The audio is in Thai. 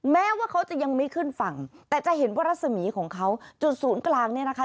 แม้ว่าเขาจะยังไม่ขึ้นฝั่งแต่จะเห็นว่ารัศมีของเขาจุดศูนย์กลางเนี่ยนะคะ